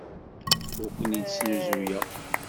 Ur ken-id-snuzuyeɣ.